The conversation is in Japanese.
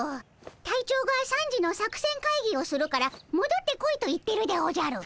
隊長が３時の作戦会議をするからもどってこいと言ってるでおじゃる。